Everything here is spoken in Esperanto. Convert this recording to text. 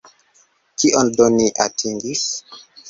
Kion do ni atingis?